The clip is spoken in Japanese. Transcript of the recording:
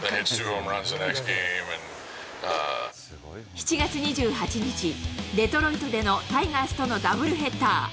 ７月２８日、デトロイトでのタイガースとのダブルヘッダー。